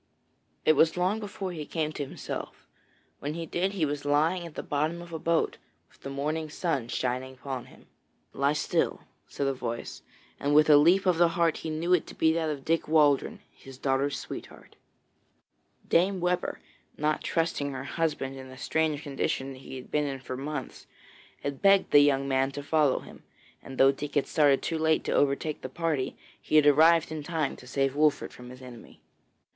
It was long before he came to himself. When he did, he was lying at the bottom of a boat, with the morning sun shining upon him. 'Lie still,' said a voice, and with a leap of the heart he knew it to be that of Dick Waldron, his daughter's sweetheart. Dame Webber, not trusting her husband in the strange condition he had been in for months, had begged the young man to follow him, and though Dick had started too late to overtake the party, he had arrived in time to save Wolfert from his enemy.